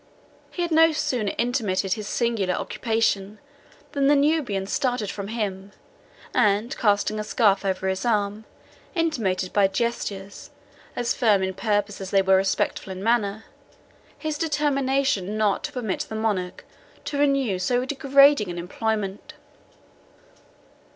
He had no sooner intermitted his singular occupation, than the Nubian started from him, and casting a scarf over his arm, intimated by gestures, as firm in purpose as they were respectful in manner, his determination not to permit the Monarch to renew so degrading an employment.